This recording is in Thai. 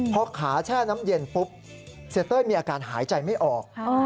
พอขาแช่น้ำเย็นปุ๊บเสียเต้ยมีอาการหายใจไม่ออก